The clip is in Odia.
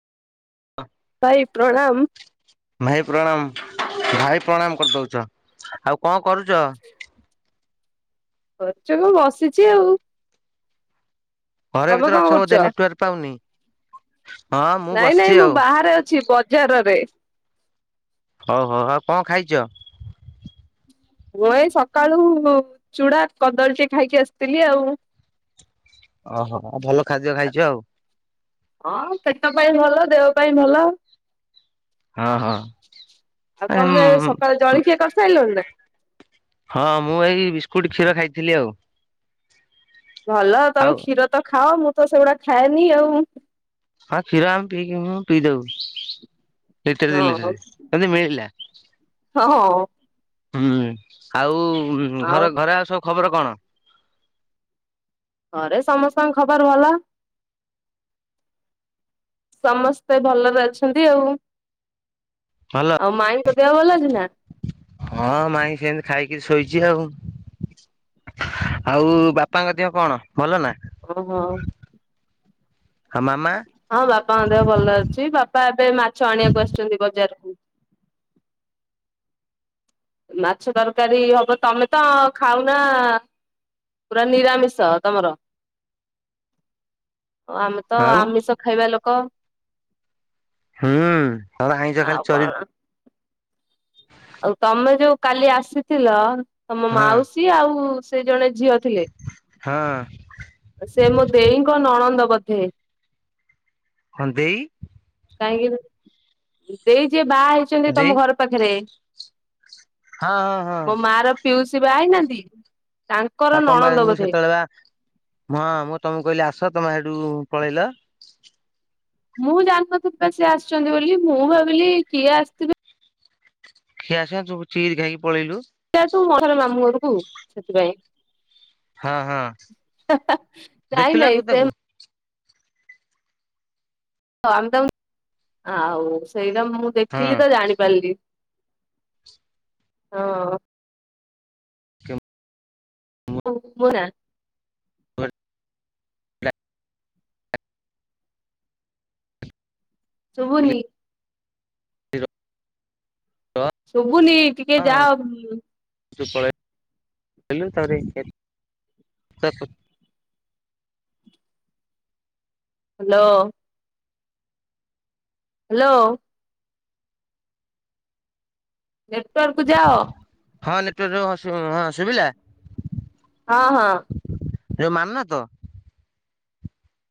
[unintelligible] ଭାଇ ପ୍ରଣାମ। ଭାଇ ପ୍ରଣାମ ଭାଇ ପ୍ରଣାମ କରିଦଉଛ ଆଉ କଣ କରୁଛ? [inaudible] କରଛ କ ବସିଛି ଆଉ ଘରେ ତମେ ଭିତରେ କଣ ଅଛ କରୁଛ? ବୋଧେ ନେଟୱାର୍କ ପାଉନି ହଁ ମୁଁ ନାଇଁ ବସିଛି ନାଇଁ ମୁଁ ଆଉ ବାହାରେ ଅଛି ବଜାରରେ। ହଉ ହଉ ଆଉ କଣ ଖାଇଛ? ମୁଁ ଏଇ ସକାଳୁ ଚୂଡା କଦଳୀଟେ ଖାଇକି ଆସିଥିଲି ଆଉ। ଓହୋ ଆଉ ଭଲ ଖାଦ୍ୟ ଖାଇଛ ଆଉ ହଁ ପେଟ ପାଇଁ ଭଲ ଦେହ ପାଇଁ ଭଲ। ହଁ ହଁ ଆଉ ତମେ ସକାଳ ଜଳଖିଆ କରିସାରିଲନ ନା? ହଁ ମୁଁ ଏଇ ବିସ୍କୁଟ କ୍ଷୀର ଖାଇଥିଲି ଆଉ। ଭଲ ତମେ ଆଉ କ୍ଷୀର ତ ଖାଅ ମୁଁ ତ ସେଗୁଡା ଖାଏନି ଆଉ। ହଁ କ୍ଷୀର ଆମେ ପିଇକି ପିଇଦବୁ ଲିଟର ଦି ଲିଟରେ ଯଦି ମିଳିଲା। ହଁ-ହଁ। ହୁଁ ଆଉ ଘର ଘରେ ଆଉ ସବୁ ଖବର କଣ? ଘରେ ସମସ୍ତଙ୍କ ଖବର ଭଲ। ସମସ୍ତେ ଭଲରେ ଅଛନ୍ତି ଆଉ ଭଲ? ଆଉ ମାଇଙ୍କ ଦେହ ଭଲ ଅଛି ନା? ହଁ ମାଇଁ ସେମିତି ଖାଇକି ଶୋଇଛି ଆଉ। ଆଉ ବାପାଙ୍କ ଦେହ କଣ ଭଲ ନା? ଓ ହଁ। ଆଉ ମାମା। ହଁ ବାପାଙ୍କ ଦେହ ଭଲ ଅଛି ବାପା ଏବେ ମାଛ ଆଣିବାକୁ ଆସିଛନ୍ତି ବଜାରକୁ। ମାଛ ତରକାରୀ ହବ ତମେ ତ ଖାଉନା ପୁରା ନିରାମିଷ ତମର। ଓ ଆମେ ତ ଆଉ ଆମିଷ ଖାଇବା ଲୋକ। ହୁଁ ଆଉ ଆଇଁଷ ଆଉ ଖାଲି ଚରି କଣ ଆଉ ତମେ ଯୋଉଁ କାଲି ଆସିଥିଲ ତମ ହଁ ମାଉସୀ ଆଉ ସେ ଜଣେ ଝିଅ ଥିଲେ। ହଁ ସେ ମୋ ଦେଇଙ୍କ ନଣନ୍ଦ ବୋଧେ। ହଁ ଦେଇ କାହିଁକି ଦେଇ ଯିଏ ବାହା ହେଇଛନ୍ତି ଦେଇ ତମ ଘର ପାଖରେ। ହଁ-ହଁ। ମୋ ମା ର ପିଉସୀ ବା ହେଇନାହାନ୍ତି ଆଉ ତାଙ୍କର ତମ ବା ନଣନ୍ଦ ବୋଧେ। [unintelligible] ହଁ ମୁଁ ତମକୁ କହିଲି ଆସ ତମେ ସେଇଠୁ ପଳେଇଲ। ମୁଁ ଜାଣିିନଥିଲି ବା ସିଏ ଆସିଛନ୍ତି ବୋଲି ମୁଁ ଭାବିଲି କିଏ ଆସିଥିବେ। ସିଏ ଆସିବ ତୁ ଉଠିକିରି ଖାଇକି ପଳେଇଲୁ। ସେଇ ତୁ [unintelligible] ମାମୁଁ ଘରକୁ ସେଥିପାଇଁ। ହଁ ହଁ ନାଇଁ ଦେଖିଲୁ ଆକୁ ନାଇଁ ସେ ତାକୁ ହ ଆମେ ତ ଆଉ ସେଇଟା ମୁଁ ହଁ। ଦେଖିଲି ତ ଜାଣିପାରିଲି। ହଁ। କେମ ଓ ବରା। ହ। ଶୁଭୁନି। ଶୁଭୁନି ଟିକେ ଯାଅ। [unintelligible] ହ୍ୟାଲୋ। ହ୍ୟାଲୋ। ନେଟୱାର୍କ କୁ ଯାଅ। ହଁ ନେଟୱାର୍କର ହଁ ଶୁଭିଲା? ହଁ-ହଁ। ଯୋଉ ମାନ ତ?